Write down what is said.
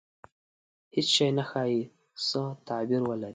• هېڅ شی نه ښایي، سوء تعبیر ولري.